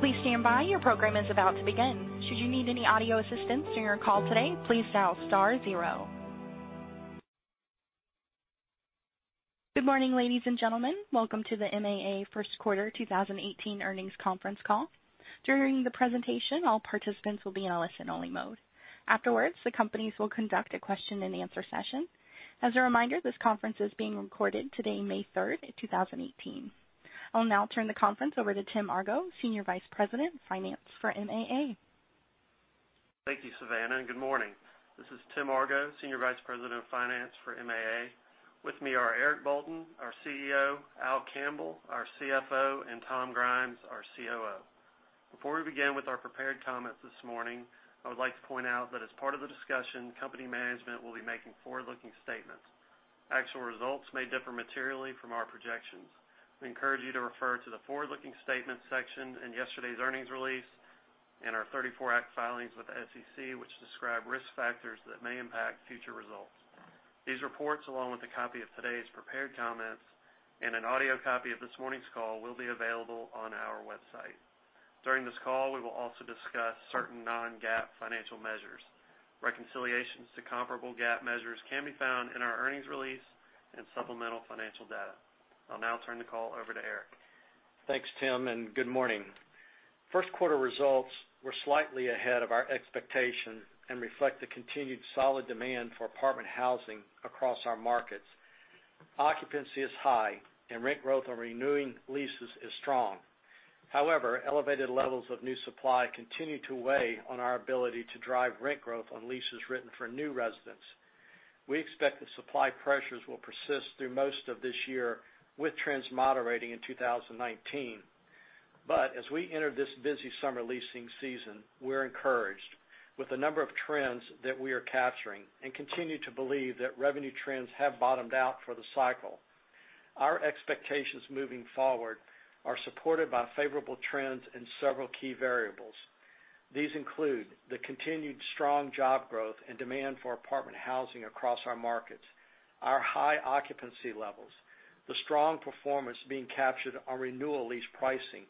Please stand by. Your program is about to begin. Should you need any audio assistance during your call today, please dial star zero. Good morning, ladies and gentlemen. Welcome to the MAA First Quarter 2018 Earnings Conference Call. During the presentation, all participants will be in a listen-only mode. Afterwards, the companies will conduct a question-and-answer session. As a reminder, this conference is being recorded today, May 3rd, 2018. I will now turn the conference over to Timothy Argo, Senior Vice President of Finance for MAA. Thank you, Savannah, and good morning. This is Tim Argo, Senior Vice President of Finance for MAA. With me are Eric Bolton, our CEO, Al Campbell, our CFO, and Tom Grimes, our COO. Before we begin with our prepared comments this morning, I would like to point out that as part of the discussion, company management will be making forward-looking statements. Actual results may differ materially from our projections. We encourage you to refer to the forward-looking statements section in yesterday's earnings release and our '34 Act filings with the SEC, which describe risk factors that may impact future results. These reports, along with a copy of today's prepared comments and an audio copy of this morning's call, will be available on our website. During this call, we will also discuss certain non-GAAP financial measures. Reconciliations to comparable GAAP measures can be found in our earnings release and supplemental financial data. I will now turn the call over to Eric. Thanks, Tim, and good morning. First quarter results were slightly ahead of our expectation and reflect the continued solid demand for apartment housing across our markets. Occupancy is high, and rent growth on renewing leases is strong. However, elevated levels of new supply continue to weigh on our ability to drive rent growth on leases written for new residents. We expect the supply pressures will persist through most of this year, with trends moderating in 2019. As we enter this busy summer leasing season, we are encouraged with the number of trends that we are capturing and continue to believe that revenue trends have bottomed out for the cycle. Our expectations moving forward are supported by favorable trends in several key variables. These include the continued strong job growth and demand for apartment housing across our markets, our high occupancy levels, the strong performance being captured on renewal lease pricing,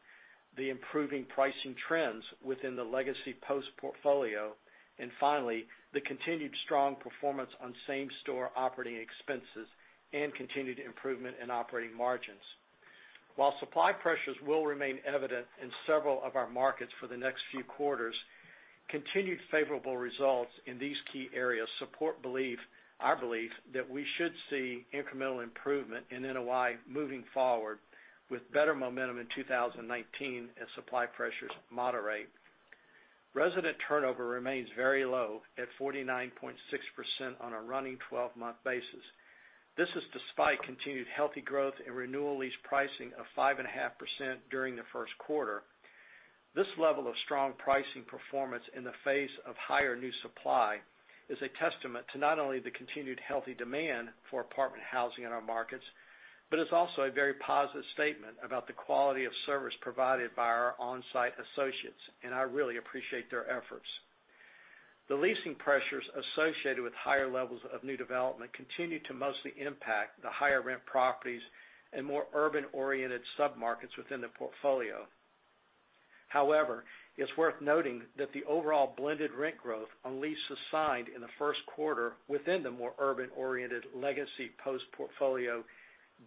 the improving pricing trends within the legacy Post portfolio, and finally, the continued strong performance on same-store operating expenses and continued improvement in operating margins. While supply pressures will remain evident in several of our markets for the next few quarters, continued favorable results in these key areas support our belief that we should see incremental improvement in NOI moving forward, with better momentum in 2019 as supply pressures moderate. Resident turnover remains very low at 49.6% on a running 12-month basis. This is despite continued healthy growth in renewal lease pricing of 5.5% during the first quarter. This level of strong pricing performance in the face of higher new supply is a testament to not only the continued healthy demand for apartment housing in our markets, but it's also a very positive statement about the quality of service provided by our on-site associates, and I really appreciate their efforts. The leasing pressures associated with higher levels of new development continue to mostly impact the higher rent properties and more urban-oriented submarkets within the portfolio. However, it's worth noting that the overall blended rent growth on leases signed in the first quarter within the more urban-oriented legacy Post portfolio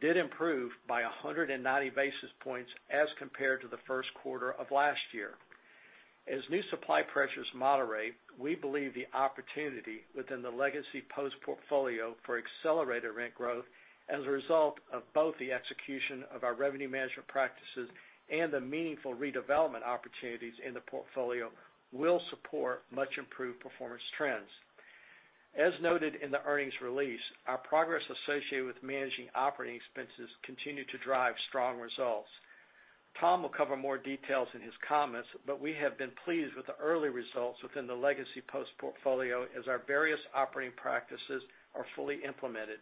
did improve by 190 basis points as compared to the first quarter of last year. As new supply pressures moderate, we believe the opportunity within the legacy Post portfolio for accelerated rent growth as a result of both the execution of our revenue management practices and the meaningful redevelopment opportunities in the portfolio will support much-improved performance trends. As noted in the earnings release, our progress associated with managing operating expenses continued to drive strong results. Tom will cover more details in his comments, but we have been pleased with the early results within the legacy Post portfolio as our various operating practices are fully implemented,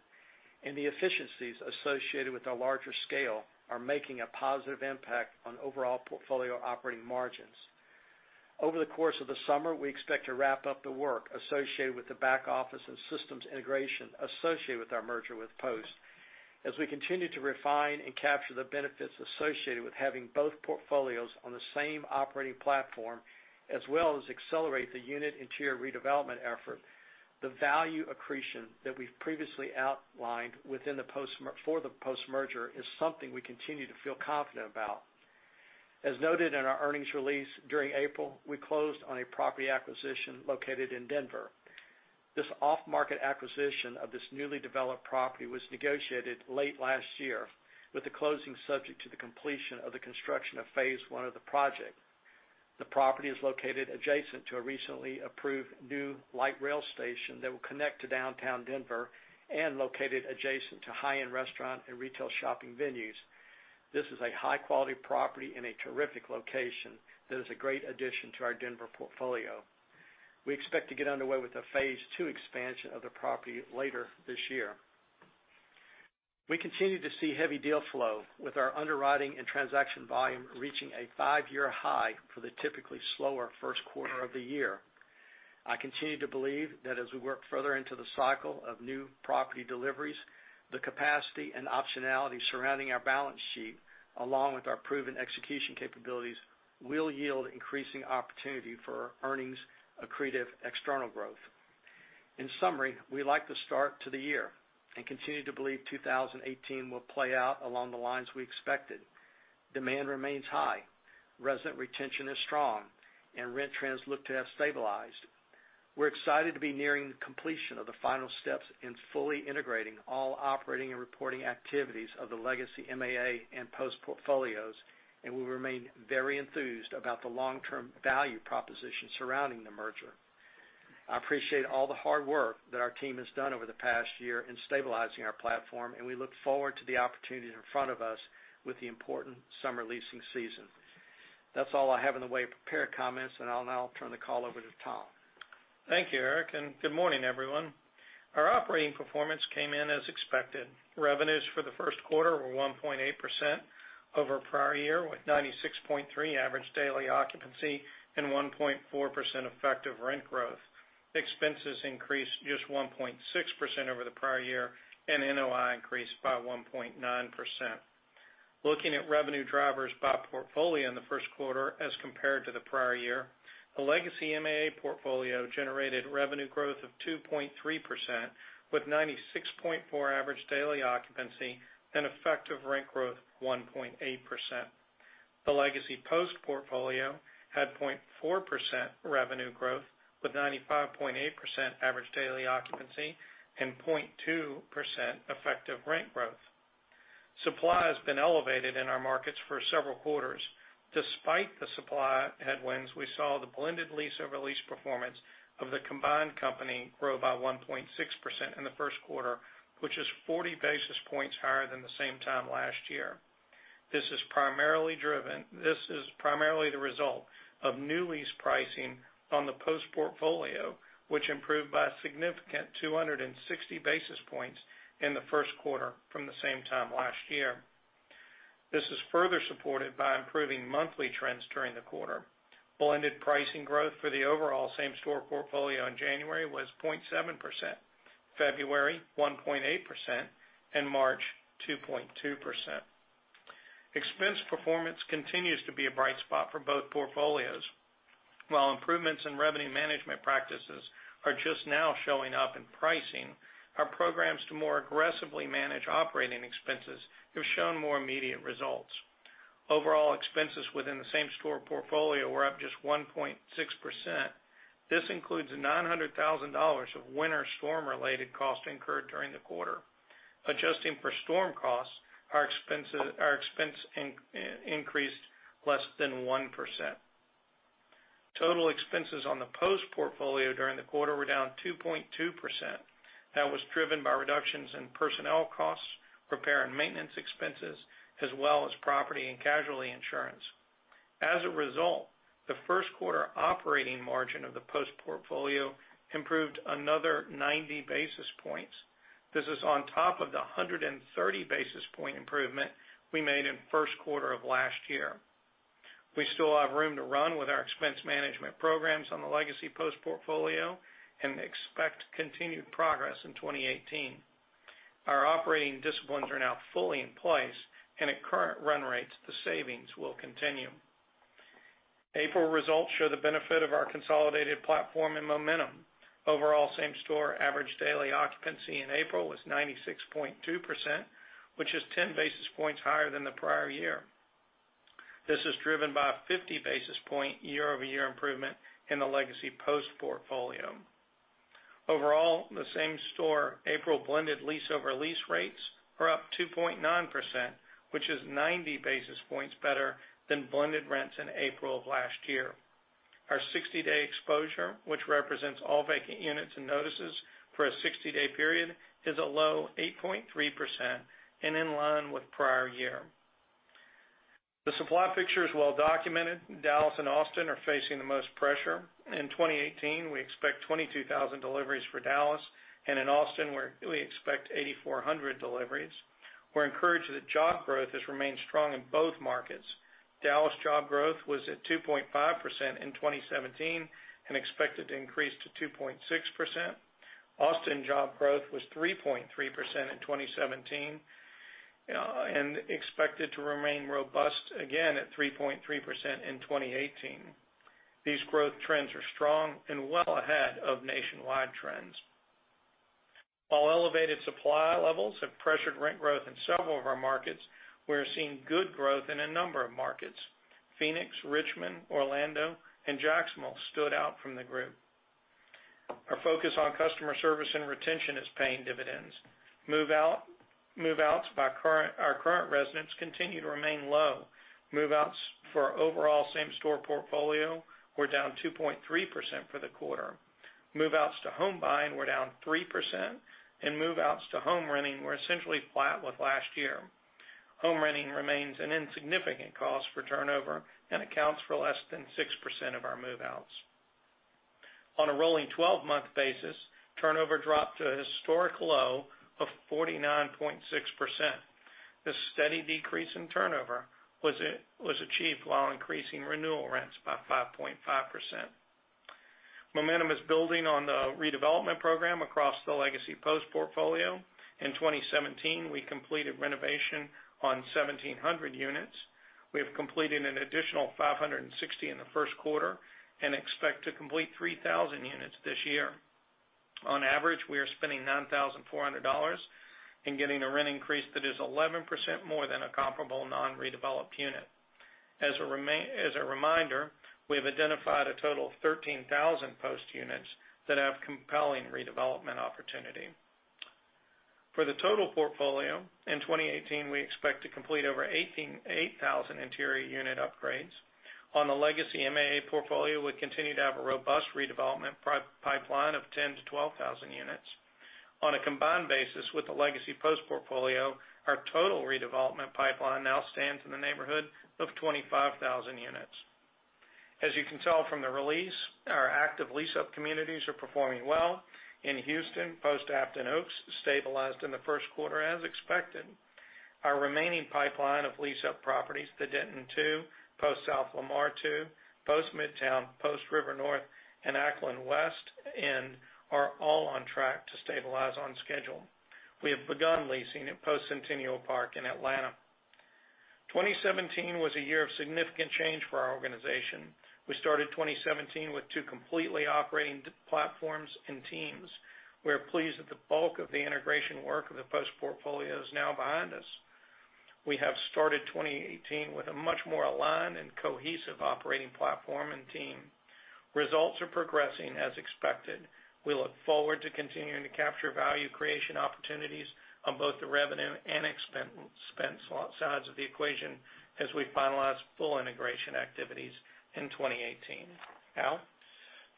and the efficiencies associated with our larger scale are making a positive impact on overall portfolio operating margins. Over the course of the summer, we expect to wrap up the work associated with the back office and systems integration associated with our merger with Post. As we continue to refine and capture the benefits associated with having both portfolios on the same operating platform, as well as accelerate the unit interior redevelopment effort, the value accretion that we've previously outlined for the Post merger is something we continue to feel confident about. As noted in our earnings release, during April, we closed on a property acquisition located in Denver. This off-market acquisition of this newly developed property was negotiated late last year with the closing subject to the completion of the construction of phase 1 of the project. The property is located adjacent to a recently approved new light rail station that will connect to downtown Denver and located adjacent to high-end restaurant and retail shopping venues. This is a high-quality property in a terrific location that is a great addition to our Denver portfolio. We expect to get underway with the phase two expansion of the property later this year. We continue to see heavy deal flow with our underwriting and transaction volume reaching a five-year high for the typically slower first quarter of the year. I continue to believe that as we work further into the cycle of new property deliveries, the capacity and optionality surrounding our balance sheet, along with our proven execution capabilities, will yield increasing opportunity for earnings accretive external growth. In summary, we like the start to the year and continue to believe 2018 will play out along the lines we expected. Demand remains high, resident retention is strong, and rent trends look to have stabilized. We're excited to be nearing the completion of the final steps in fully integrating all operating and reporting activities of the legacy MAA and Post portfolios. We remain very enthused about the long-term value proposition surrounding the merger. I appreciate all the hard work that our team has done over the past year in stabilizing our platform. We look forward to the opportunities in front of us with the important summer leasing season. That's all I have in the way of prepared comments. I'll now turn the call over to Tom. Thank you, Eric. Good morning, everyone. Our operating performance came in as expected. Revenues for the first quarter were 1.8% over prior year, with 96.3 average daily occupancy and 1.4% effective rent growth. Expenses increased just 1.6% over the prior year. NOI increased by 1.9%. Looking at revenue drivers by portfolio in the first quarter as compared to the prior year, the legacy MAA portfolio generated revenue growth of 2.3%, with 96.4 average daily occupancy and effective rent growth 1.8%. The legacy Post portfolio had 0.4% revenue growth with 95.8% average daily occupancy and 0.2% effective rent growth. Supply has been elevated in our markets for several quarters. Despite the supply headwinds, we saw the blended lease-over-lease performance of the combined company grow by 1.6% in the first quarter, which is 40 basis points higher than the same time last year. This is primarily the result of new lease pricing on the Post portfolio, which improved by a significant 260 basis points in the first quarter from the same time last year. This is further supported by improving monthly trends during the quarter. Blended pricing growth for the overall same store portfolio in January was 0.7%, February 1.8%, March 2.2%. Expense performance continues to be a bright spot for both portfolios. While improvements in revenue management practices are just now showing up in pricing, our programs to more aggressively manage operating expenses have shown more immediate results. Overall expenses within the same store portfolio were up just 1.6%. This includes $900,000 of winter storm related costs incurred during the quarter. Adjusting for storm costs, our expense increased less than 1%. Total expenses on the Post portfolio during the quarter were down 2.2%. That was driven by reductions in personnel costs, repair and maintenance expenses, as well as property and casualty insurance. As a result, the first quarter operating margin of the Post portfolio improved another 90 basis points. This is on top of the 130 basis point improvement we made in first quarter of last year. We still have room to run with our expense management programs on the legacy Post portfolio and expect continued progress in 2018. Our operating disciplines are now fully in place, and at current run rates, the savings will continue. April results show the benefit of our consolidated platform and momentum. Overall same store average daily occupancy in April was 96.2%, which is 10 basis points higher than the prior year. This is driven by a 50 basis point year-over-year improvement in the legacy Post portfolio. Overall, the same store April blended lease over lease rates are up 2.9%, which is 90 basis points better than blended rents in April of last year. Our 60-day exposure, which represents all vacant units and notices for a 60-day period, is a low 8.3% and in line with prior year. The supply picture is well documented. Dallas and Austin are facing the most pressure. In 2018, we expect 22,000 deliveries for Dallas, and in Austin, we expect 8,400 deliveries. We're encouraged that job growth has remained strong in both markets. Dallas job growth was at 2.5% in 2017 and expected to increase to 2.6%. Austin job growth was 3.3% in 2017 and expected to remain robust again at 3.3% in 2018. These growth trends are strong and well ahead of nationwide trends. While elevated supply levels have pressured rent growth in several of our markets, we are seeing good growth in a number of markets. Phoenix, Richmond, Orlando, and Jacksonville stood out from the group. Our focus on customer service and retention is paying dividends. Move-outs by our current residents continue to remain low. Move-outs for our overall same store portfolio were down 2.3% for the quarter. Move-outs to home buying were down 3%, and move-outs to home renting were essentially flat with last year. Home renting remains an insignificant cost for turnover and accounts for less than 6% of our move-outs. On a rolling 12-month basis, turnover dropped to a historic low of 49.6%. The steady decrease in turnover was achieved while increasing renewal rents by 5.5%. Momentum is building on the redevelopment program across the legacy Post portfolio. In 2017, we completed renovation on 1,700 units. We have completed an additional 560 in the first quarter and expect to complete 3,000 units this year. On average, we are spending $9,400 and getting a rent increase that is 11% more than a comparable non-redeveloped unit. As a reminder, we have identified a total of 13,000 Post units that have compelling redevelopment opportunity. For the total portfolio, in 2018, we expect to complete over 8,000 interior unit upgrades. On the legacy MAA portfolio, we continue to have a robust redevelopment pipeline of 10,000 units-12,000 units. On a combined basis with the legacy Post portfolio, our total redevelopment pipeline now stands in the neighborhood of 25,000 units. As you can tell from the release, our active lease-up communities are performing well. In Houston, Post Afton Oaks stabilized in the first quarter as expected. Our remaining pipeline of lease-up properties, The Denton II, Post South Lamar II, Post Midtown, Post River North, and Acklen West End are all on track to stabilize on schedule. We have begun leasing at Post Centennial Park in Atlanta. 2017 was a year of significant change for our organization. We started 2017 with two completely operating platforms and teams. We are pleased that the bulk of the integration work of the Post portfolio is now behind us. We have started 2018 with a much more aligned and cohesive operating platform and team. Results are progressing as expected. We look forward to continuing to capture value creation opportunities on both the revenue and expense sides of the equation as we finalize full integration activities in 2018. Al?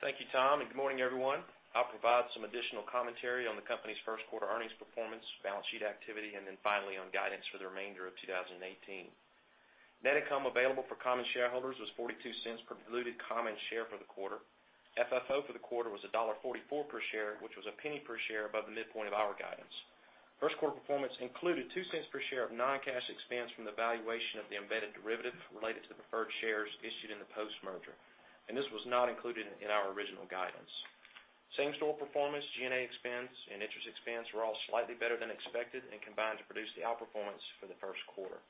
Thank you, Tom. Good morning, everyone. I'll provide some additional commentary on the company's first quarter earnings performance, balance sheet activity, then finally on guidance for the remainder of 2018. Net income available for common shareholders was $0.42 per diluted common share for the quarter. FFO for the quarter was $1.44 per share, which was $0.01 per share above the midpoint of our guidance. First quarter performance included $0.02 per share of non-cash expense from the valuation of the embedded derivative related to the preferred shares issued in the Post merger. This was not included in our original guidance. Same-store performance, G&A expense, interest expense were all slightly better than expected and combined to produce the outperformance for the first quarter.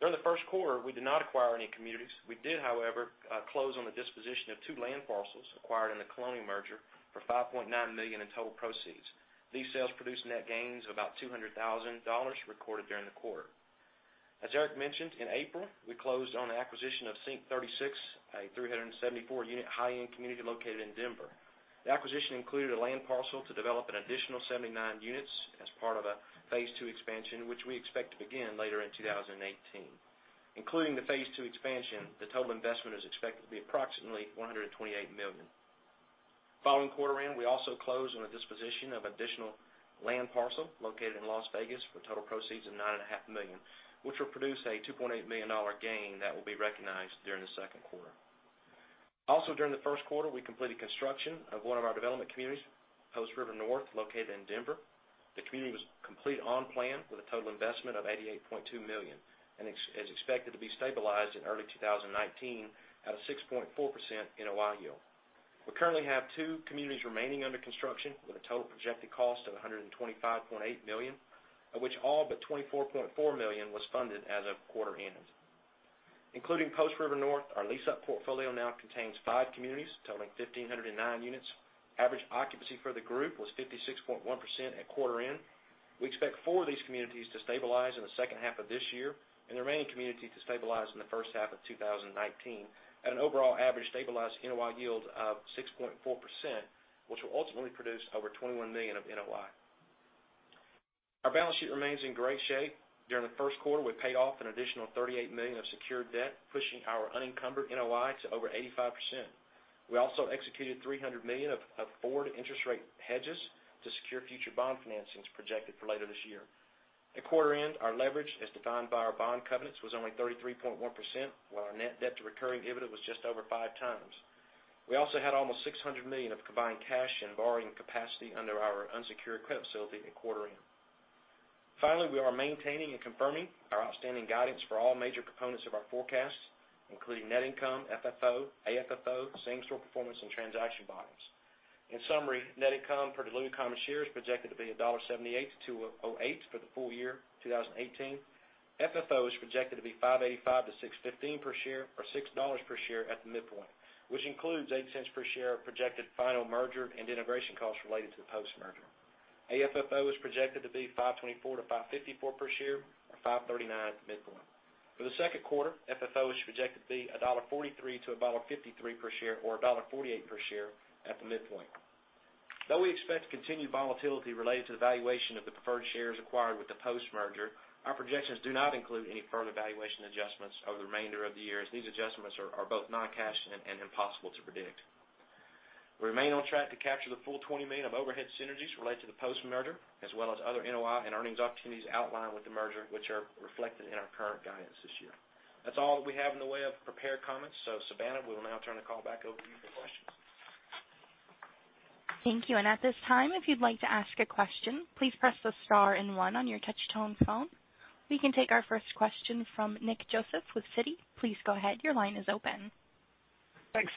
During the first quarter, we did not acquire any communities. We did, however, close on the disposition of two land parcels acquired in the Colonial merger for $5.9 million in total proceeds. These sales produced net gains of about $200,000 recorded during the quarter. As Eric mentioned, in April, we closed on the acquisition of Sync36, a 374-unit high-end community located in Denver. The acquisition included a land parcel to develop an additional 79 units as part of a phase two expansion, which we expect to begin later in 2018. Including the phase two expansion, the total investment is expected to be approximately $128 million. Following quarter end, we also closed on a disposition of additional land parcel located in Las Vegas for total proceeds of $9.5 million, which will produce a $2.8 million gain that will be recognized during the second quarter. During the first quarter, we completed construction of one of our development communities, Post River North, located in Denver. The community was completed on plan with a total investment of $88.2 million, is expected to be stabilized in early 2019 at a 6.4% NOI yield. We currently have two communities remaining under construction with a total projected cost of $125.8 million, of which all but $24.4 million was funded as of quarter end. Including Post River North, our lease-up portfolio now contains five communities totaling 1,509 units. Average occupancy for the group was 56.1% at quarter end. We expect four of these communities to stabilize in the second half of this year, the remaining communities to stabilize in the first half of 2019 at an overall average stabilized NOI yield of 6.4%, which will ultimately produce over $21 million of NOI. Our balance sheet remains in great shape. During the first quarter, we paid off an additional $38 million of secured debt, pushing our unencumbered NOI to over 85%. We also executed $300 million of forward interest rate hedges to secure future bond financings projected for later this year. At quarter end, our leverage, as defined by our bond covenants, was only 33.1%, while our net debt to recurring EBITDA was just over five times. We also had almost $600 million of combined cash and borrowing capacity under our unsecured credit facility at quarter end. Finally, we are maintaining and confirming our outstanding guidance for all major components of our forecasts, including net income, FFO, AFFO, same-store performance, and transaction volumes. In summary, net income per diluted common share is projected to be $1.78 to $2.08 for the full year 2018. FFO is projected to be $5.85 to $6.15 per share, or $6 per share at the midpoint, which includes $0.08 per share of projected final merger and integration costs related to the Post merger. AFFO is projected to be $5.24 to $5.54 per share, or $5.39 at the midpoint. For the second quarter, FFO is projected to be $1.43 to $1.53 per share, or $1.48 per share at the midpoint. Though we expect continued volatility related to the valuation of the preferred shares acquired with the Post merger, our projections do not include any further valuation adjustments over the remainder of the year, as these adjustments are both non-cash and impossible to predict. We remain on track to capture the full $20 million of overhead synergies related to the Post merger, as well as other NOI and earnings opportunities outlined with the merger, which are reflected in our current guidance this year. That's all that we have in the way of prepared comments. Savannah, we will now turn the call back over to you for questions. Thank you. At this time, if you'd like to ask a question, please press the star and one on your touch-tone phone. We can take our first question from Nick Joseph with Citi. Please go ahead. Your line is open. Thanks.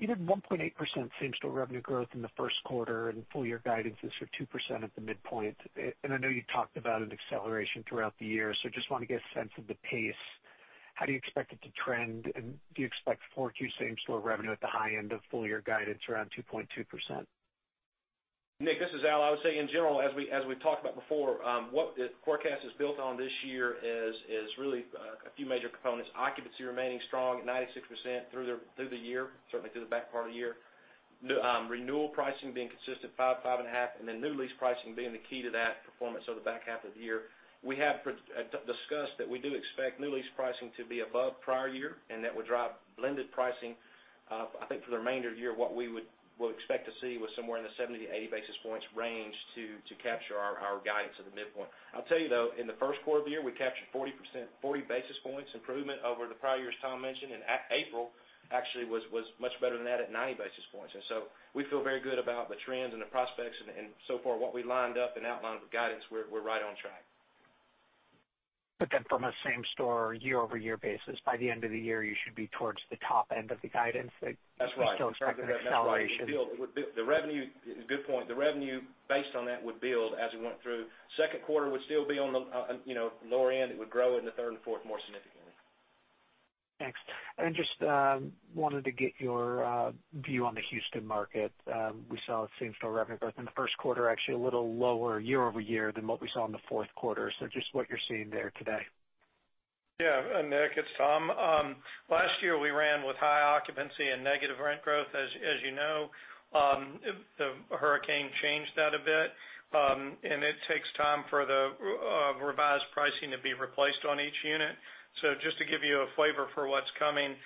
You had 1.8% same-store revenue growth in the first quarter, and full-year guidance is for 2% at the midpoint. I know you talked about an acceleration throughout the year, just want to get a sense of the pace. How do you expect it to trend? Do you expect four Q same-store revenue at the high end of full-year guidance around 2.2%? Nick, this is Al. I would say in general, as we've talked about before, what the forecast is built on this year is really a few major components. Occupancy remaining strong at 96% through the year, certainly through the back part of the year. Renewal pricing being consistent, 5%, 5.5%, new lease pricing being the key to that performance over the back half of the year. We have discussed that we do expect new lease pricing to be above prior year, that would drive blended pricing. I think for the remainder of the year, what we would expect to see was somewhere in the 70 to 80 basis points range to capture our guidance at the midpoint. I'll tell you, though, in the first quarter of the year, we captured 40 basis points improvement over the prior year, as Tom mentioned, April actually was much better than that at 90 basis points. We feel very good about the trends and the prospects and so far, what we lined up and outlined with guidance, we're right on track. From a same-store year-over-year basis, by the end of the year, you should be towards the top end of the guidance that- That's right You still expect that acceleration. That's right. Good point. The revenue based on that would build as we went through. Second quarter would still be on the lower end. It would grow in the third and fourth more significantly. Thanks. Just wanted to get your view on the Houston market. We saw same-store revenue growth in the first quarter, actually a little lower year-over-year than what we saw in the fourth quarter. Just what you're seeing there today. Yeah. Nick, it's Tom. Last year, we ran with high occupancy and negative rent growth, as you know. The hurricane changed that a bit. It takes time for the revised pricing to be replaced on each unit. Just to give you a flavor for what's coming,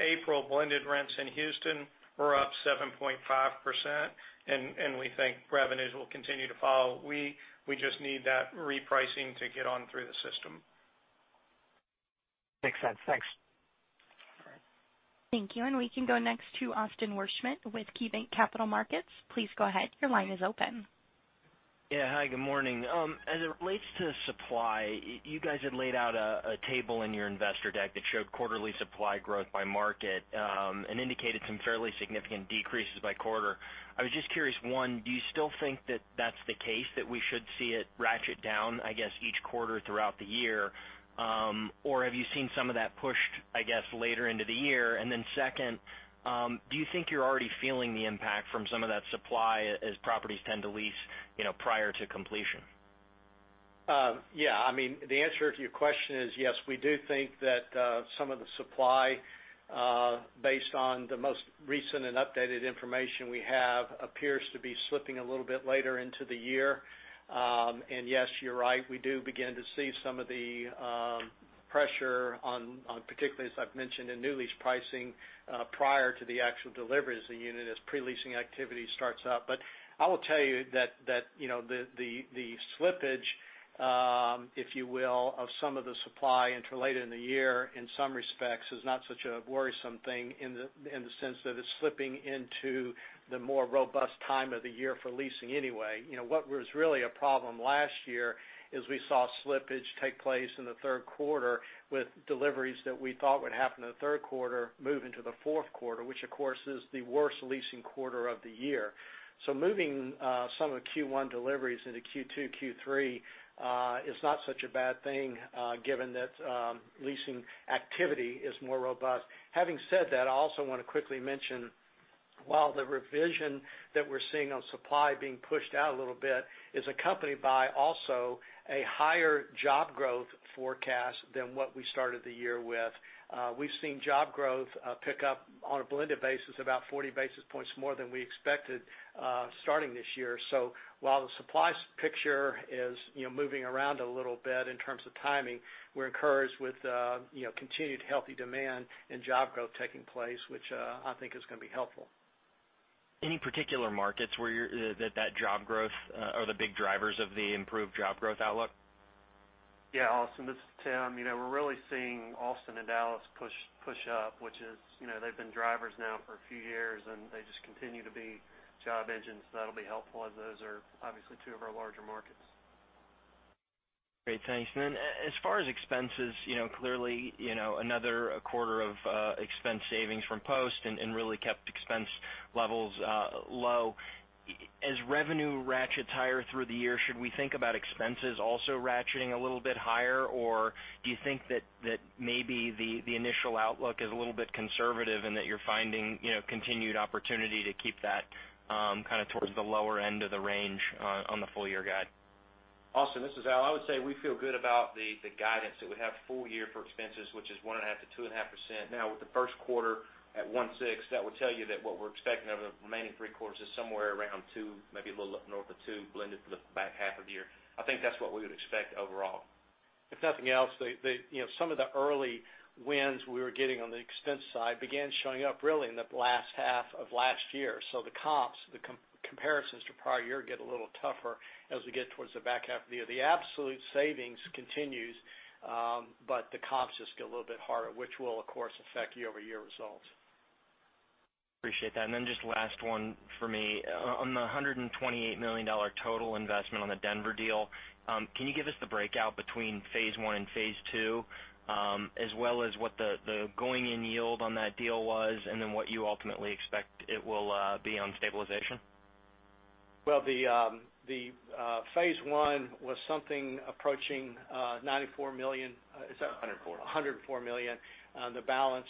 April blended rents in Houston were up 7.5%, and we think revenues will continue to follow. We just need that repricing to get on through the system. Makes sense. Thanks. All right. Thank you. We can go next to Austin Wurschmidt with KeyBanc Capital Markets. Please go ahead. Your line is open. Yeah. Hi, good morning. As it relates to supply, you guys had laid out a table in your investor deck that showed quarterly supply growth by market, and indicated some fairly significant decreases by quarter. I was just curious, one, do you still think that that's the case, that we should see it ratchet down, I guess, each quarter throughout the year? Have you seen some of that pushed, I guess, later into the year? Then second, do you think you're already feeling the impact from some of that supply, as properties tend to lease prior to completion? Yeah. The answer to your question is yes, we do think that some of the supply, based on the most recent and updated information we have, appears to be slipping a little bit later into the year. Yes, you're right, we do begin to see some of the pressure on, particularly as I've mentioned, in new lease pricing, prior to the actual delivery of the unit as pre-leasing activity starts up. I will tell you that the slippage, if you will, of some of the supply into later in the year, in some respects, is not such a worrisome thing in the sense that it's slipping into the more robust time of the year for leasing anyway. What was really a problem last year is we saw slippage take place in the third quarter with deliveries that we thought would happen in the third quarter move into the fourth quarter, which of course, is the worst leasing quarter of the year. Moving some of the Q1 deliveries into Q2, Q3, is not such a bad thing, given that leasing activity is more robust. Having said that, I also want to quickly mention, while the revision that we're seeing on supply being pushed out a little bit is accompanied by also a higher job growth forecast than what we started the year with. We've seen job growth pick up on a blended basis about 40 basis points more than we expected starting this year. While the supply picture is moving around a little bit in terms of timing, we're encouraged with continued healthy demand and job growth taking place, which I think is going to be helpful. Any particular markets that job growth are the big drivers of the improved job growth outlook? Yeah, Austin, this is Tim. We're really seeing Austin and Dallas push up, which is, they've been drivers now for a few years, and they just continue to be job engines. That'll be helpful as those are obviously two of our larger markets. Great. Thanks. Then as far as expenses, clearly, another quarter of expense savings from Post and really kept expense levels low. As revenue ratchets higher through the year, should we think about expenses also ratcheting a little bit higher, or do you think that maybe the initial outlook is a little bit conservative and that you're finding continued opportunity to keep that kind of towards the lower end of the range on the full-year guide? Austin, this is Al. I would say we feel good about the guidance that we have full year for expenses, which is 1.5%-2.5%. With the first quarter at 1.6%, that would tell you that what we're expecting over the remaining three quarters is somewhere around 2%, maybe a little up north of 2%, blended for the back half of the year. I think that's what we would expect overall. If nothing else, some of the early wins we were getting on the expense side began showing up really in the last half of last year. The comps, the comparisons to prior year, get a little tougher as we get towards the back half of the year. The absolute savings continues, but the comps just get a little bit harder, which will, of course, affect year-over-year results. Appreciate that. Then just last one for me. On the $128 million total investment on the Denver deal, can you give us the breakout between phase one and phase two, as well as what the going-in yield on that deal was, and then what you ultimately expect it will be on stabilization? Well, the phase one was something approaching $94 million. Is that- 104. $104 million. The balance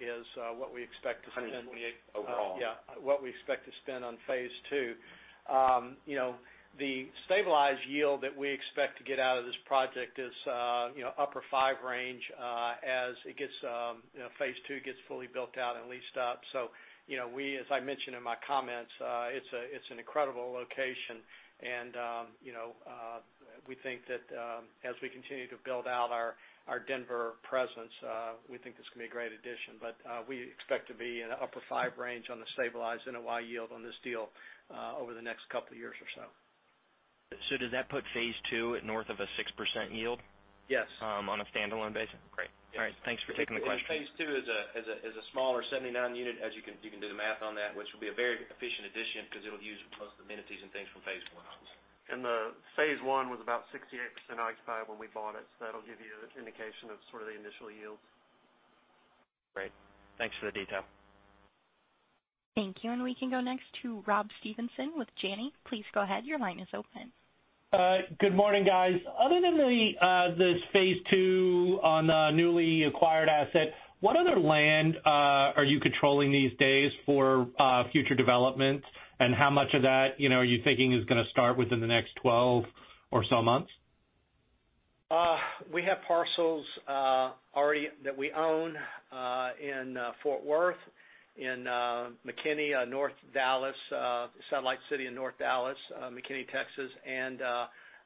is what we expect to spend- 128 overall. Yeah. What we expect to spend on phase 2. The stabilized yield that we expect to get out of this project is upper five range, as phase 2 gets fully built out and leased up. We, as I mentioned in my comments, it's an incredible location, and we think that as we continue to build out our Denver presence, we think this can be a great addition. We expect to be in an upper five range on the stabilized NOI yield on this deal, over the next couple of years or so. Does that put phase 2 at north of a 6% yield? Yes. On a standalone basis? Great. Yes. All right. Thanks for taking the question. Well, phase 2 is a smaller 79 unit, as you can do the math on that, which will be a very efficient addition because it'll use most amenities and things from phase 1. The phase 1 was about 68% occupied when we bought it. That'll give you an indication of sort of the initial yields. Great. Thanks for the detail. Thank you. We can go next to Rob Stevenson with Janney Montgomery Scott. Please go ahead. Your line is open. Good morning, guys. Other than this phase two on the newly acquired asset, what other land are you controlling these days for future developments? How much of that are you thinking is going to start within the next 12 or so months? We have parcels already that we own in Fort Worth, in McKinney, North Dallas, City North in North Dallas, McKinney, Texas, and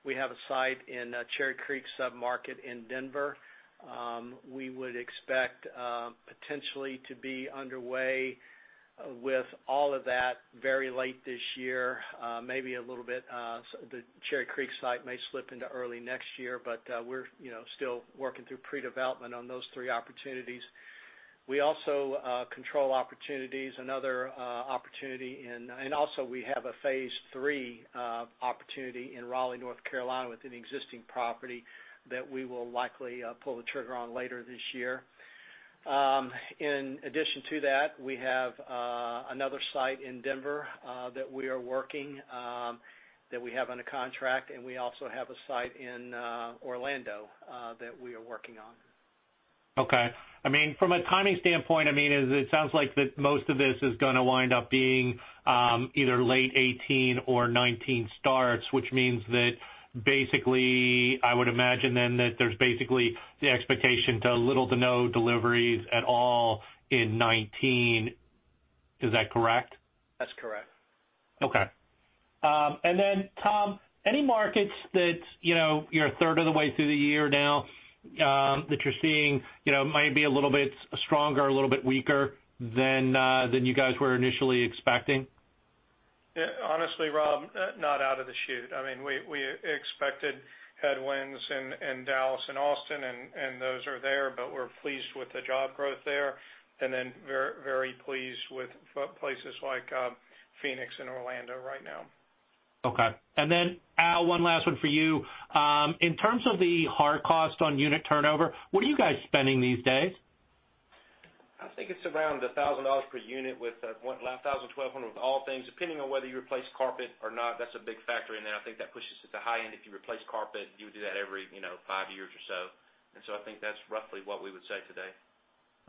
we have a site in Cherry Creek sub-market in Denver. We would expect, potentially, to be underway with all of that very late this year. The Cherry Creek site may slip into early next year, but we're still working through pre-development on those three opportunities. We also control opportunities, another opportunity in, also we have a phase three opportunity in Raleigh, North Carolina, with an existing property that we will likely pull the trigger on later this year. In addition to that, we have another site in Denver that we are working, that we have under contract, and we also have a site in Orlando that we are working on. Okay. From a timing standpoint, it sounds like that most of this is going to wind up being either late 2018 or 2019 starts, which means that basically, I would imagine then that there's basically the expectation to little to no deliveries at all in 2019. Is that correct? That's correct. Okay. Tom, any markets that, you're a third of the way through the year now, that you're seeing might be a little bit stronger, a little bit weaker than you guys were initially expecting? Honestly, Rob, not out of the chute. We expected headwinds in Dallas and Austin, and those are there, but we're pleased with the job growth there. Very pleased with places like Phoenix and Orlando right now. Okay. Al, one last one for you. In terms of the hard cost on unit turnover, what are you guys spending these days? I think it's around $1,000 per unit with what, $1,200 with all things, depending on whether you replace carpet or not. That's a big factor in there. I think that pushes it to high-end if you replace carpet, you would do that every five years or so. I think that's roughly what we would say today.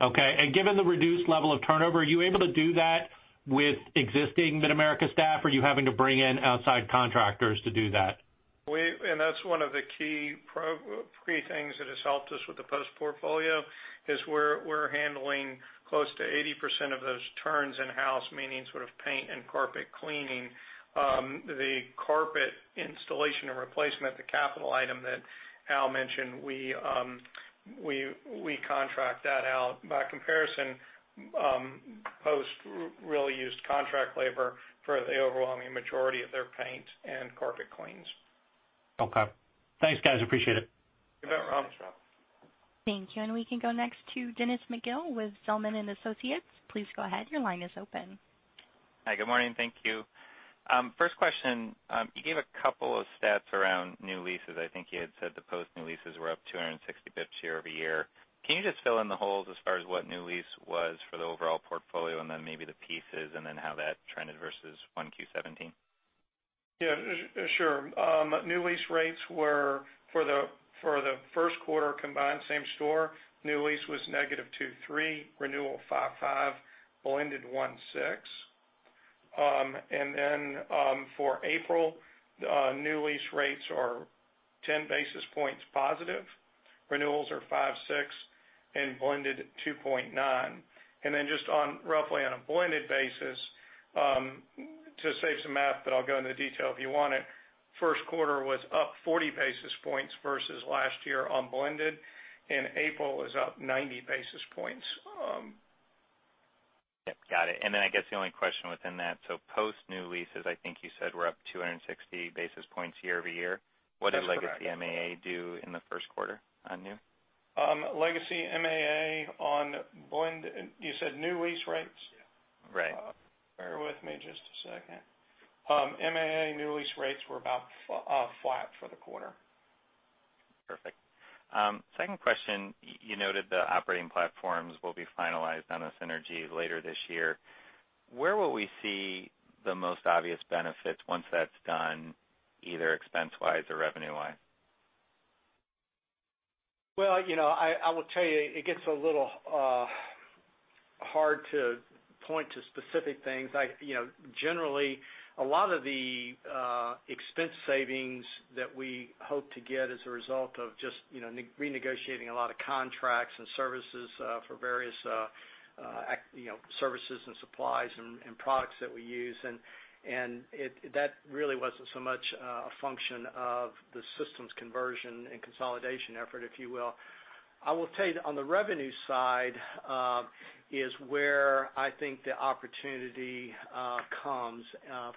Okay. Given the reduced level of turnover, are you able to do that with existing Mid-America staff, or are you having to bring in outside contractors to do that? That's one of the key things that has helped us with the Post portfolio, is we're handling close to 80% of those turns in-house, meaning sort of paint and carpet cleaning. The carpet installation and replacement, the capital item that Al mentioned, we contract that out. By comparison, Post really used contract labor for the overwhelming majority of their paint and carpet cleans. Okay. Thanks, guys. Appreciate it. You bet, Rob. Thanks, Rob. Thank you. We can go next to Dennis McGill with Zelman & Associates. Please go ahead. Your line is open. Hi. Good morning. Thank you. First question. You gave a couple of stats around new leases. I think you had said the Post new leases were up 260 basis points year-over-year. Can you just fill in the holes as far as what new lease was for the overall portfolio, then maybe the pieces, then how that trended versus 1Q 2017? Yeah, sure. New lease rates were for the first quarter combined same store, new lease was negative 2.3, renewal 5.5, blended 1.6. For April, new lease rates are 10 basis points positive. Renewals are 5.6, blended 2.9. Just on roughly on a blended basis, to save some math, but I'll go into detail if you want it, first quarter was up 40 basis points versus last year on blended, April is up 90 basis points. Yep, got it. I guess the only question within that, Post new leases, I think you said were up 260 basis points year-over-year. That's correct. What did Legacy MAA do in the first quarter on new? Legacy MAA on blend, you said new lease rates? Yeah. Right. Bear with me just a second. MAA new lease rates were about flat for the quarter. Perfect. Second question, you noted the operating platforms will be finalized on the synergy later this year. Where will we see the most obvious benefits once that's done, either expense-wise or revenue-wise? Well, I will tell you, it gets a little hard to point to specific things. Generally, a lot of the expense savings that we hope to get as a result of just renegotiating a lot of contracts and services for various services and supplies and products that we use, and that really wasn't so much a function of the systems conversion and consolidation effort, if you will. I will tell you, on the revenue side is where I think the opportunity comes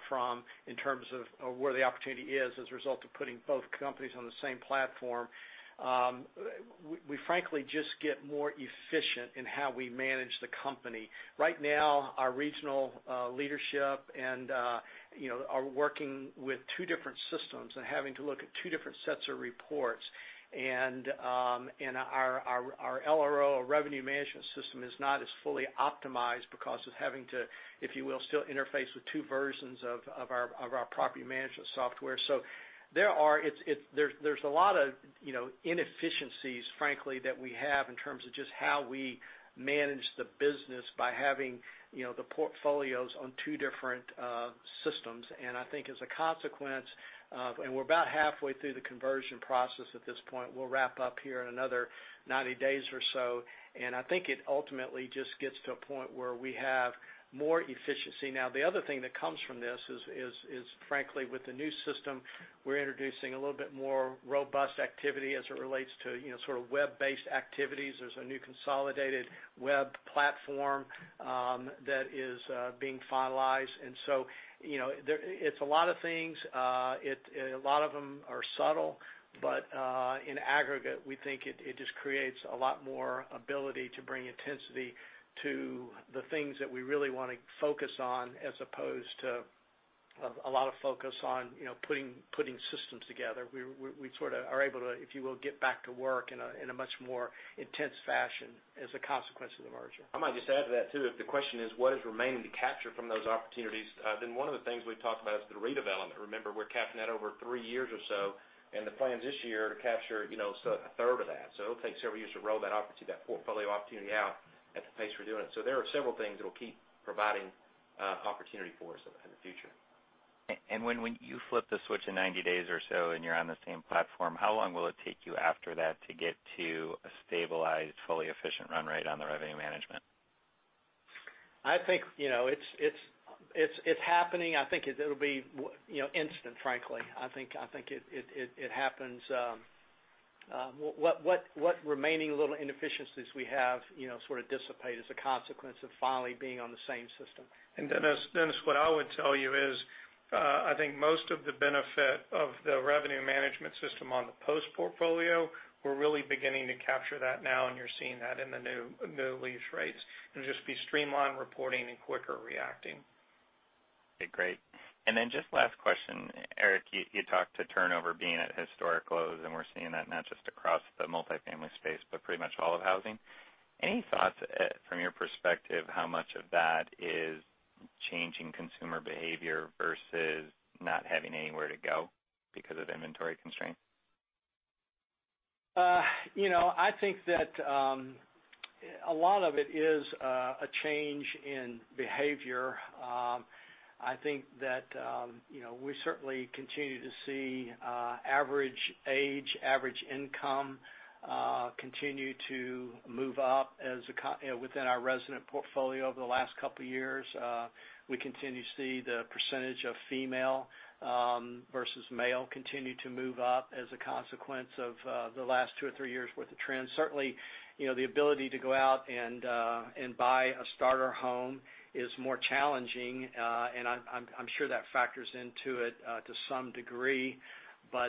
from in terms of where the opportunity is as a result of putting both companies on the same platform. We frankly just get more efficient in how we manage the company. Right now, our regional leadership are working with two different systems and having to look at two different sets of reports. Our LRO, our revenue management system, is not as fully optimized because of having to, if you will, still interface with two versions of our property management software. There's a lot of inefficiencies, frankly, that we have in terms of just how we manage the business by having the portfolios on two different systems. I think as a consequence, we're about halfway through the conversion process at this point. We'll wrap up here in another 90 days or so, and I think it ultimately just gets to a point where we have more efficiency. The other thing that comes from this is, frankly, with the new system, we're introducing a little bit more robust activity as it relates to sort of web-based activities. There's a new consolidated web platform that is being finalized. It's a lot of things. A lot of them are subtle, in aggregate, we think it just creates a lot more ability to bring intensity to the things that we really want to focus on, as opposed to a lot of focus on putting systems together. We sort of are able to, if you will, get back to work in a much more intense fashion as a consequence of the merger. I might just add to that, too, if the question is what is remaining to capture from those opportunities, one of the things we've talked about is the redevelopment. Remember, we're capping that over three years or so, and the plan is this year to capture a third of that. It'll take several years to roll that opportunity, that portfolio opportunity out at the pace we're doing it. There are several things that'll keep providing opportunity for us in the future. When you flip the switch in 90 days or so and you're on the same platform, how long will it take you after that to get to a stabilized, fully efficient run rate on the revenue management? I think it's happening. I think it'll be instant, frankly. I think it happens. What remaining little inefficiencies we have sort of dissipate as a consequence of finally being on the same system. Dennis, what I would tell you is, I think most of the benefit of the revenue management system on the Post portfolio, we're really beginning to capture that now, and you're seeing that in the new lease rates. It'll just be streamlined reporting and quicker reacting. Okay, great. Then just last question. Eric, you talked to turnover being at historic lows, and we're seeing that not just across the multifamily space, but pretty much all of housing. Any thoughts from your perspective how much of that is changing consumer behavior versus not having anywhere to go because of inventory constraints? I think that a lot of it is a change in behavior. I think that we certainly continue to see average age, average income, continue to move up within our resident portfolio over the last couple of years. We continue to see the percentage of female versus male continue to move up as a consequence of the last two or three years' worth of trends. Certainly, the ability to go out and buy a starter home is more challenging, and I'm sure that factors into it to some degree. I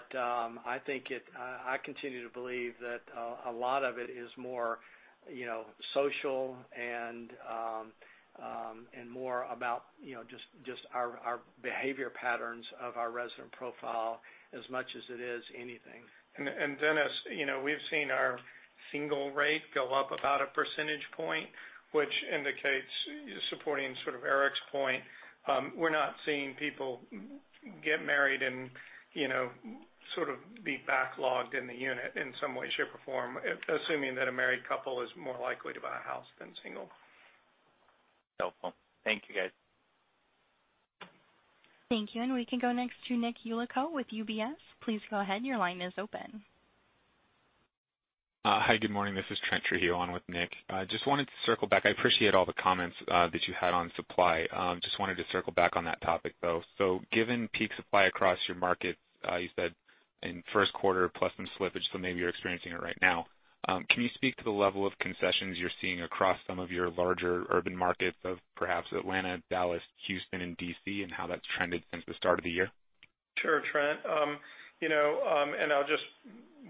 continue to believe that a lot of it is more social and more about just our behavior patterns of our resident profile as much as it is anything. Dennis, we've seen our single rate go up about a percentage point, which indicates, supporting sort of Eric's point, we're not seeing people get married and sort of be backlogged in the unit in some way, shape, or form, assuming that a married couple is more likely to buy a house than single. Helpful. Thank you, guys. Thank you. We can go next to Nic Yulico with UBS. Please go ahead. Your line is open. Hi, good morning. This is Trent Trujillo on with Nick. I appreciate all the comments that you had on supply. Just wanted to circle back on that topic, though. Given peak supply across your market, you said in first quarter, plus some slippage, so maybe you're experiencing it right now. Can you speak to the level of concessions you're seeing across some of your larger urban markets of perhaps Atlanta, Dallas, Houston, and D.C., and how that's trended since the start of the year? Sure, Trent.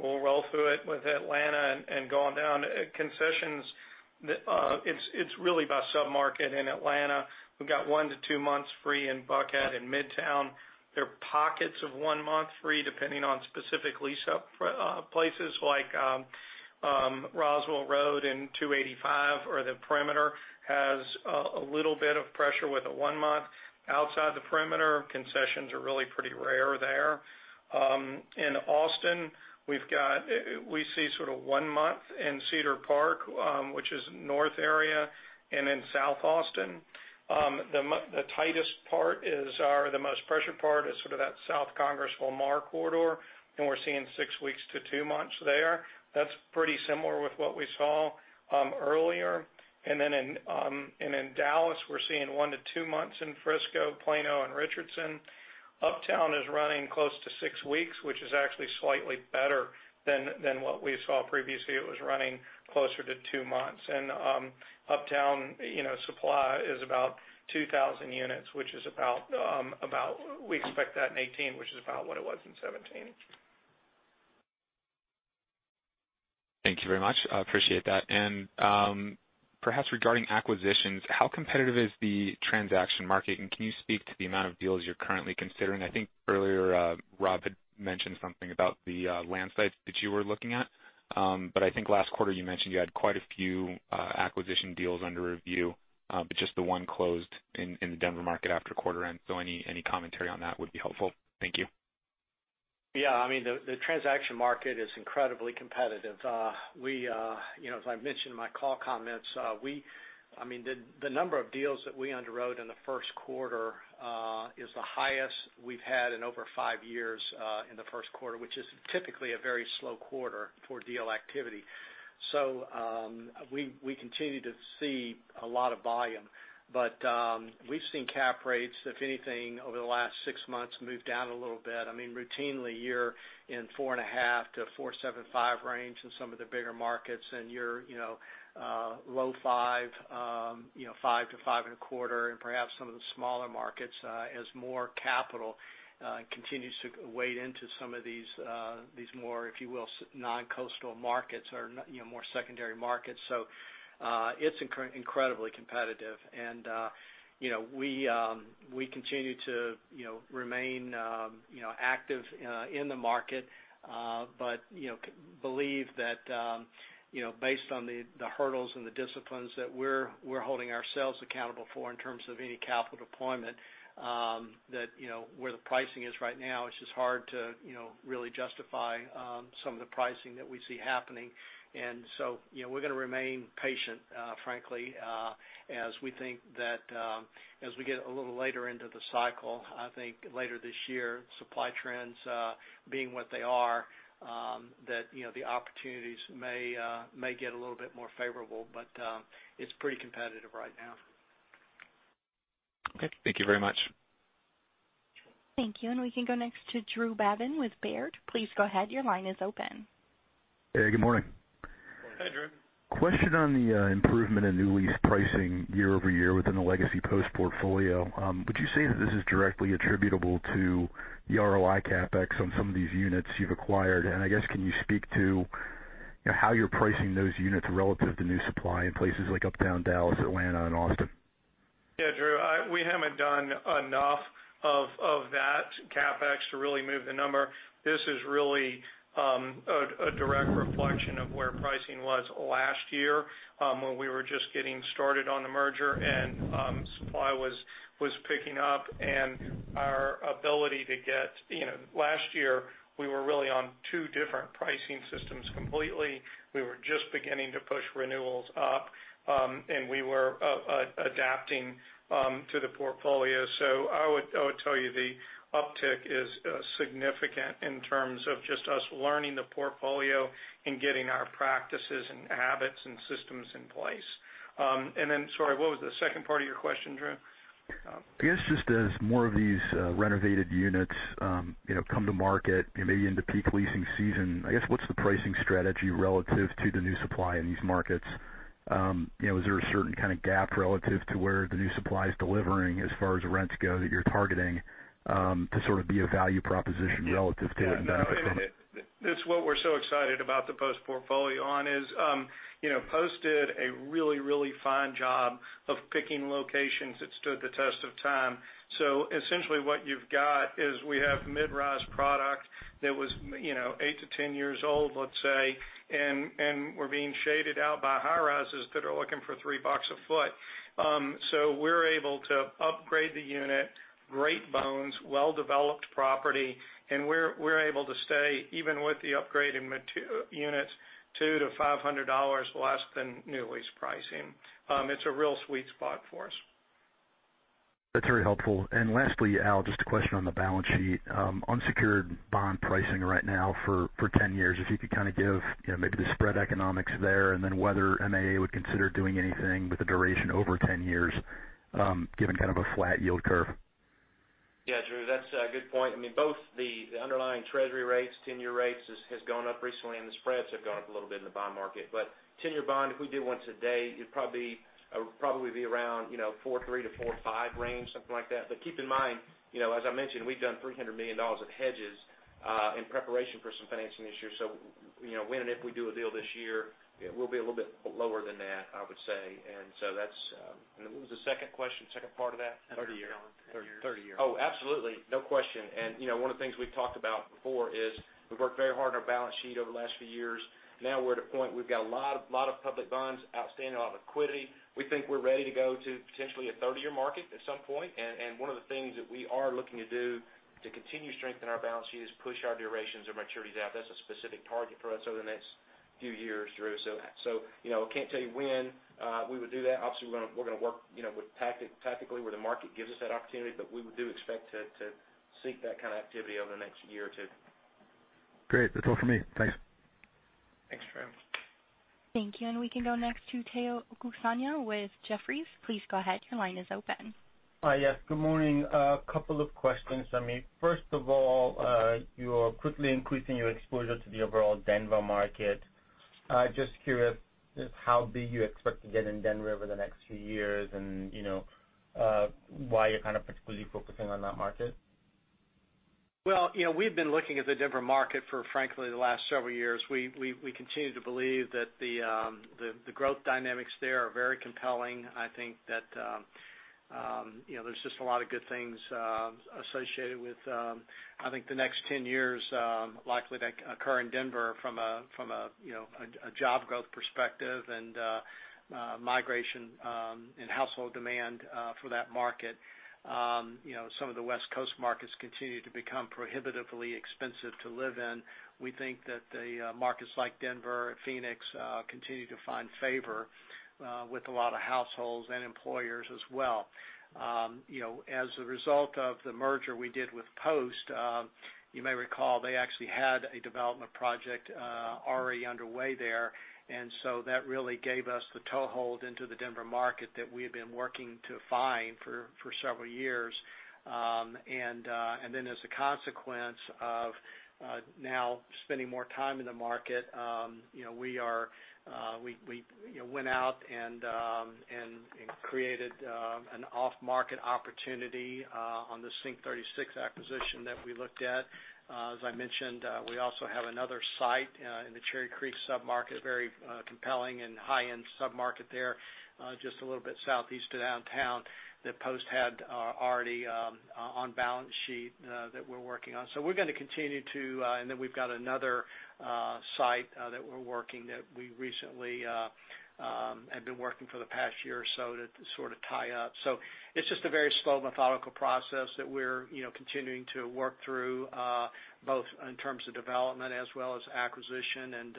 We'll roll through it with Atlanta and going down. Concessions, it's really by sub-market in Atlanta. We've got 1 to 2 months free in Buckhead and Midtown. There are pockets of 1 month free, depending on specific lease-up places like Roswell Road and 285, or the perimeter has a little bit of pressure with a 1-month. Outside the perimeter, concessions are really pretty rare there. In Austin, we see sort of 1 month in Cedar Park, which is north area, and in south Austin. The tightest part is, or the most pressured part, is sort of that South Congress Lamar corridor, and we're seeing 6 weeks to 2 months there. That's pretty similar with what we saw earlier. In Dallas, we're seeing 1 to 2 months in Frisco, Plano, and Richardson. Uptown is running close to 6 weeks, which is actually slightly better than what we saw previously. It was running closer to 2 months. Uptown supply is about 2,000 units, which we expect that in 2018, which is about what it was in 2017. Thank you very much. I appreciate that. Perhaps regarding acquisitions, how competitive is the transaction market, and can you speak to the amount of deals you're currently considering? I think earlier, Rob had mentioned something about the land sites that you were looking at. I think last quarter you mentioned you had quite a few acquisition deals under review, but just the one closed in the Denver market after quarter end. Any commentary on that would be helpful. Thank you. The transaction market is incredibly competitive. As I mentioned in my call comments, the number of deals that we underwrote in the first quarter is the highest we've had in over 5 years in the first quarter, which is typically a very slow quarter for deal activity. We continue to see a lot of volume. We've seen cap rates, if anything, over the last 6 months move down a little bit. Routinely, you're in 4.5%-4.75% range in some of the bigger markets, and you're low 5%-5.25% in perhaps some of the smaller markets, as more capital continues to wade into some of these more, if you will, non-coastal markets or more secondary markets. It's incredibly competitive. We continue to remain active in the market. Believe that based on the hurdles and the disciplines that we're holding ourselves accountable for in terms of any capital deployment, that where the pricing is right now, it's just hard to really justify some of the pricing that we see happening. We're going to remain patient, frankly, as we think that as we get a little later into the cycle, I think later this year, supply trends being what they are, that the opportunities may get a little bit more favorable. It's pretty competitive right now. Okay. Thank you very much. Thank you. We can go next to Drew Babin with Baird. Please go ahead. Your line is open. Hey, good morning. Morning. Hey, Drew. Question on the improvement in new lease pricing year-over-year within the legacy Post portfolio. Would you say that this is directly attributable to the ROI CapEx on some of these units you've acquired? I guess, can you speak to how you're pricing those units relative to new supply in places like Uptown Dallas, Atlanta, and Austin? Yeah, Drew, we haven't done enough of that CapEx to really move the number. This is really a direct reflection of where pricing was last year, when we were just getting started on the merger and supply was picking up. Last year, we were really on two different pricing systems completely. We were just beginning to push renewals up, and we were adapting to the portfolio. I would tell you the uptick is significant in terms of just us learning the portfolio and getting our practices and habits and systems in place. Then, sorry, what was the second part of your question, Drew? I guess just as more of these renovated units come to market, maybe into peak leasing season, I guess, what's the pricing strategy relative to the new supply in these markets? Is there a certain kind of gap relative to where the new supply is delivering as far as rents go that you're targeting to sort of be a value proposition relative to it? That's what we're so excited about the Post portfolio on is, Post did a really fine job of picking locations that stood the test of time. Essentially what you've got is we have mid-rise product that was 8-10 years old, let's say, and were being shaded out by high-rises that are looking for $3 a foot. We're able to upgrade the unit, great bones, well-developed property, and we're able to stay, even with the upgrade in units, $200-$500 less than new lease pricing. It's a real sweet spot for us. That's very helpful. Lastly, Al, just a question on the balance sheet. On secured bond pricing right now for 10 years, if you could kind of give maybe the spread economics there, then whether MAA would consider doing anything with a duration over 10 years, given kind of a flat yield curve. Yeah, Drew, that's a good point. Both the underlying treasury rates, 10-year rates, has gone up recently, and the spreads have gone up a little bit in the bond market. 10-year bond, if we do one today, it would probably be around 4.3-4.5 range, something like that. Keep in mind, as I mentioned, we've done $300 million of hedges in preparation for some financing this year. When and if we do a deal this year, it will be a little bit lower than that, I would say. What was the second question, second part of that? 30-year. Oh, absolutely. No question. One of the things we've talked about before is we've worked very hard on our balance sheet over the last few years. Now we're at a point we've got a lot of public bonds outstanding, a lot of liquidity. We think we're ready to go to potentially a 30-year market at some point, and one of the things that we are looking to do to continue to strengthen our balance sheet is push our durations and maturities out. That's a specific target for us over the next few years through. I can't tell you when we would do that. Obviously, we're going to work tactically where the market gives us that opportunity, but we do expect to seek that kind of activity over the next year or two. Great. That's all for me. Thanks. Thanks, Drew. Thank you. We can go next to Omotayo Okusanya with Jefferies. Please go ahead. Your line is open. Hi. Yes, good morning. A couple of questions. First of all, you're quickly increasing your exposure to the overall Denver market. Just curious how big you expect to get in Denver over the next few years, and why you're particularly focusing on that market. Well, we've been looking at the Denver market for, frankly, the last several years. We continue to believe that the growth dynamics there are very compelling. I think that there's just a lot of good things associated with, I think the next 10 years likely to occur in Denver from a job growth perspective and migration and household demand for that market. Some of the West Coast markets continue to become prohibitively expensive to live in. We think that the markets like Denver and Phoenix continue to find favor with a lot of households and employers as well. As a result of the merger we did with Post, you may recall they actually had a development project already underway there. That really gave us the toehold into the Denver market that we had been working to find for several years. As a consequence of now spending more time in the market, we went out and created an off-market opportunity on the Sync36 acquisition that we looked at. As I mentioned, we also have another site in the Cherry Creek sub-market, very compelling and high-end sub-market there, just a little bit southeast of downtown that Post had already on balance sheet that we're working on. We've got another site that we're working that we recently have been working for the past year or so to sort of tie up. It's just a very slow, methodical process that we're continuing to work through, both in terms of development as well as acquisition.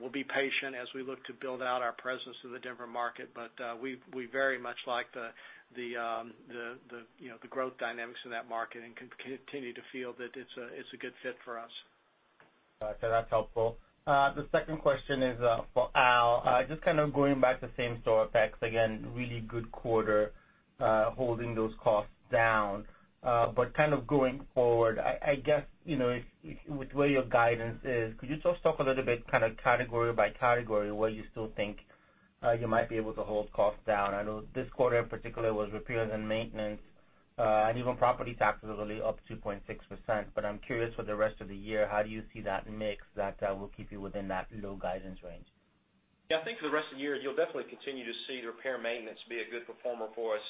We'll be patient as we look to build out our presence in the Denver market. We very much like the growth dynamics in that market and continue to feel that it's a good fit for us. Got you. That's helpful. The second question is for Al. Just kind of going back to same store effects again, really good quarter, holding those costs down. Kind of going forward, I guess, with where your guidance is, could you just talk a little bit kind of category by category, where you still think you might be able to hold costs down? I know this quarter in particular was repairs and maintenance, and even property taxes were only up 2.6%. I'm curious for the rest of the year, how do you see that mix that will keep you within that low guidance range? I think for the rest of the year, you'll definitely continue to see the repair and maintenance be a good performer for us,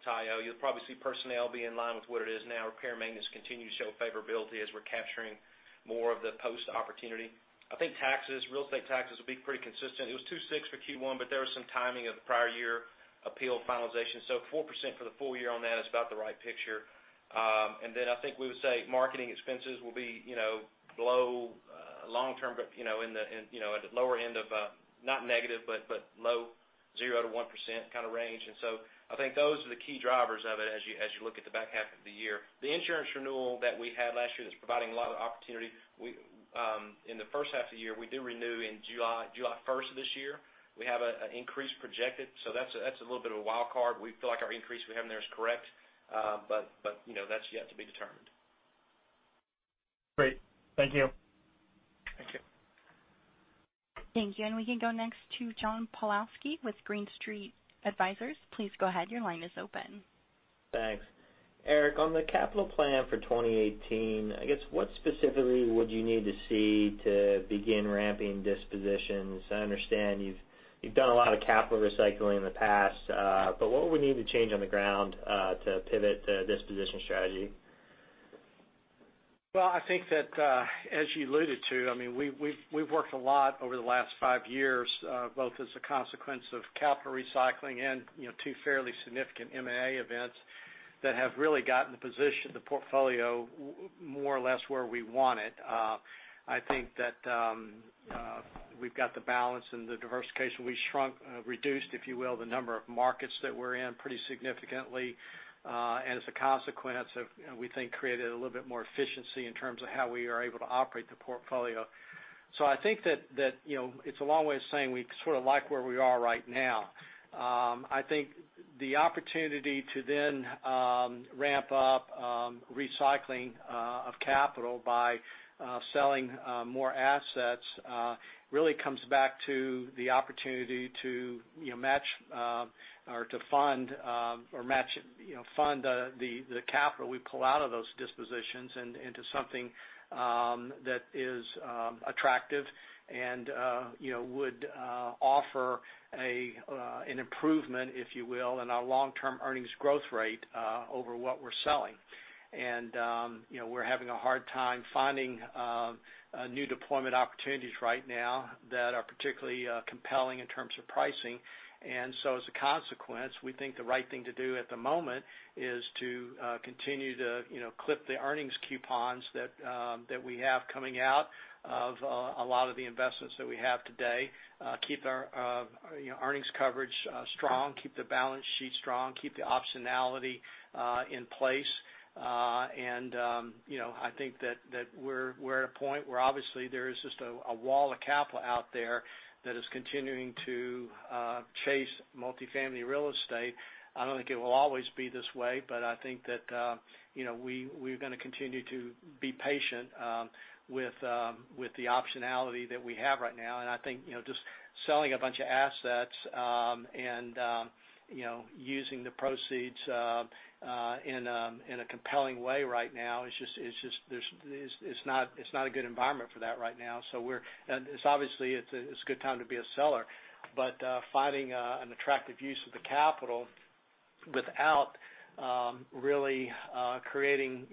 Tayo. You'll probably see personnel be in line with what it is now. Repair and maintenance continue to show favorability as we're capturing more of the Post opportunity. I think taxes, real estate taxes, will be pretty consistent. It was 2.6 for Q1, there was some timing of the prior year appeal finalization. 4% for the full year on that is about the right picture. I think we would say marketing expenses will be at the lower end of, not negative, but low 0%-1% kind of range. I think those are the key drivers of it as you look at the back half of the year. The insurance renewal that we had last year that's providing a lot of opportunity, in the first half of the year, we do renew in July 1st of this year. We have an increase projected, that's a little bit of a wild card. We feel like our increase we have in there is correct, that's yet to be determined. Great. Thank you. Thank you. Thank you. We can go next to John Pawlowski with Green Street Advisors. Please go ahead. Your line is open. Thanks. Eric, on the capital plan for 2018, I guess what specifically would you need to see to begin ramping dispositions? I understand you've done a lot of capital recycling in the past. What would we need to change on the ground to pivot the disposition strategy? Well, I think that, as you alluded to, we've worked a lot over the last five years, both as a consequence of capital recycling and two fairly significant M&A events that have really gotten the position, the portfolio, more or less where we want it. I think that we've got the balance and the diversification. We shrunk, reduced, if you will, the number of markets that we're in pretty significantly. As a consequence, we think created a little bit more efficiency in terms of how we are able to operate the portfolio. I think that it's a long way of saying we sort of like where we are right now. I think the opportunity to then ramp up recycling of capital by selling more assets really comes back to the opportunity to match or to fund or match, fund the capital we pull out of those dispositions into something that is attractive and would offer an improvement, if you will, in our long-term earnings growth rate over what we're selling. We're having a hard time finding new deployment opportunities right now that are particularly compelling in terms of pricing. As a consequence, we think the right thing to do at the moment is to continue to clip the earnings coupons that we have coming out of a lot of the investments that we have today, keep our earnings coverage strong, keep the balance sheet strong, keep the optionality in place. I think that we're at a point where obviously there is just a wall of capital out there that is continuing to chase multifamily real estate. I don't think it will always be this way, but I think that we're going to continue to be patient with the optionality that we have right now. I think, just selling a bunch of assets and using the proceeds in a compelling way right now, it's not a good environment for that right now. Obviously, it's a good time to be a seller, but finding an attractive use of the capital without really creating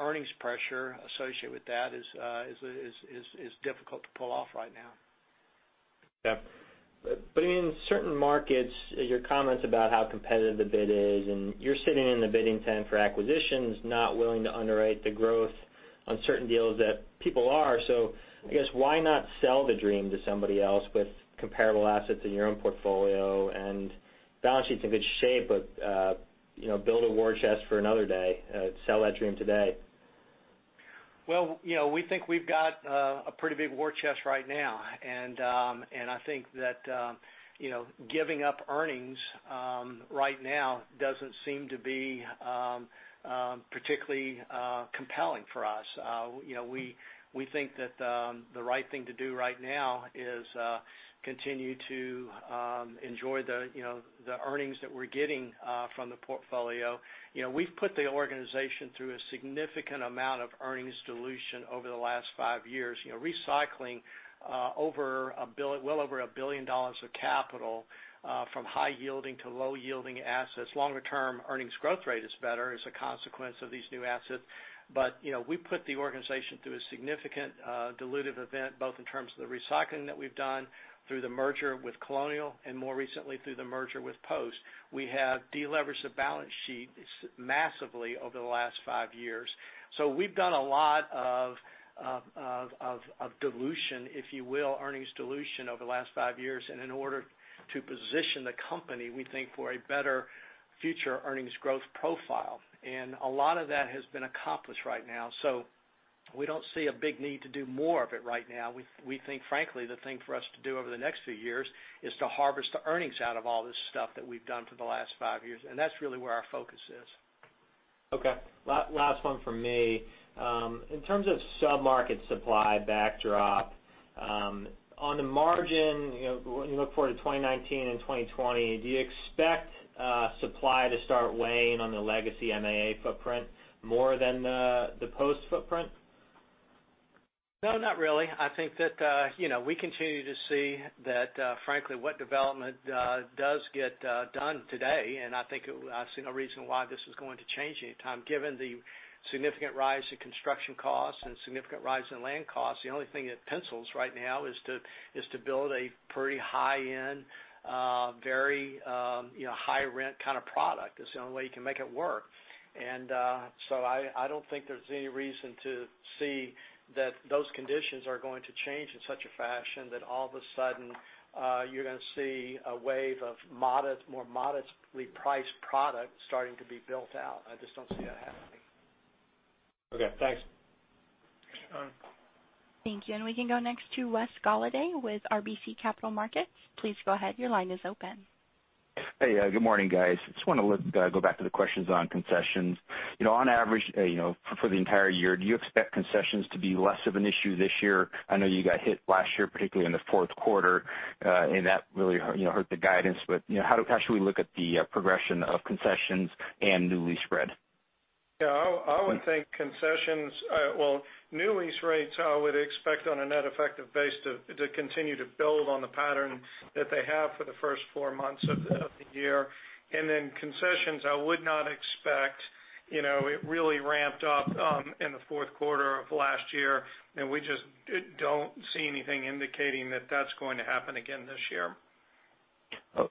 earnings pressure associated with that is difficult to pull off right now. Yeah. In certain markets, your comments about how competitive the bid is, and you're sitting in the bidding tent for acquisitions, not willing to underwrite the growth on certain deals that people are. I guess why not sell the dream to somebody else with comparable assets in your own portfolio and balance sheet's in good shape, but build a war chest for another day, sell that dream today? Well, we think we've got a pretty big war chest right now, I think that giving up earnings right now doesn't seem to be particularly compelling for us. We think that the right thing to do right now is continue to enjoy the earnings that we're getting from the portfolio. We've put the organization through a significant amount of earnings dilution over the last five years, recycling well over $1 billion of capital from high-yielding to low-yielding assets. Longer-term earnings growth rate is better as a consequence of these new assets. We put the organization through a significant dilutive event, both in terms of the recycling that we've done through the merger with Colonial and more recently through the merger with Post. We have de-leveraged the balance sheet massively over the last five years. We've done a lot of dilution, if you will, earnings dilution over the last five years, in order to position the company, we think, for a better future earnings growth profile. A lot of that has been accomplished right now. We don't see a big need to do more of it right now. We think, frankly, the thing for us to do over the next few years is to harvest the earnings out of all this stuff that we've done for the last five years, and that's really where our focus is. Okay. Last one from me. In terms of sub-market supply backdrop, on the margin, when you look forward to 2019 and 2020, do you expect supply to start weighing on the legacy MAA footprint more than the Post footprint? No, not really. I think that we continue to see that, frankly, what development does get done today, and I think I see no reason why this is going to change any time, given the significant rise in construction costs and significant rise in land costs. The only thing that pencils right now is to build a pretty high-end, very high-rent kind of product, is the only way you can make it work. I don't think there's any reason to see that those conditions are going to change in such a fashion that all of a sudden you're going to see a wave of more modestly priced product starting to be built out. I just don't see that happening. Okay, thanks. Sure. Thank you. We can go next to Wesley Golladay with RBC Capital Markets. Please go ahead. Your line is open. Hey. Good morning, guys. Just want to go back to the questions on concessions. On average for the entire year, do you expect concessions to be less of an issue this year? I know you got hit last year, particularly in the fourth quarter, and that really hurt the guidance, but how should we look at the progression of concessions and new lease spread? Yeah, I would think, well, new lease rates, I would expect on a net effective basis to continue to build on the pattern that they have for the first four months of the year. Concessions, I would not expect. It really ramped up in the fourth quarter of last year, and we just don't see anything indicating that that's going to happen again this year.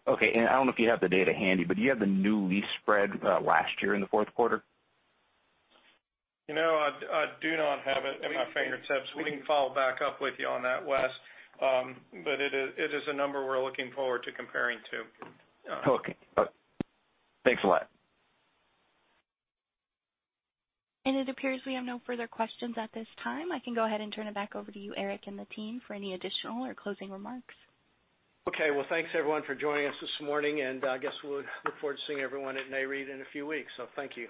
Okay. I don't know if you have the data handy, but do you have the new lease spread last year in the fourth quarter? I do not have it at my fingertips. We can follow back up with you on that, Wes. It is a number we're looking forward to comparing to. Okay. Thanks a lot. It appears we have no further questions at this time. I can go ahead and turn it back over to you, Eric, and the team for any additional or closing remarks. Okay. Well, thanks everyone for joining us this morning. I guess we'll look forward to seeing everyone at Nareit in a few weeks. Thank you.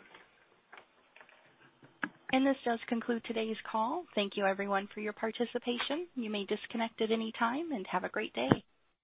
This does conclude today's call. Thank you everyone for your participation. You may disconnect at any time, and have a great day.